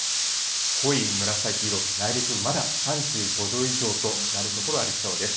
濃い紫色、内陸部、まだ３５度以上となる所がありそうです。